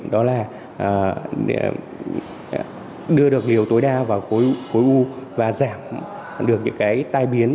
đó là đưa được liều tối đa vào khối u và giảm được những cái tai biến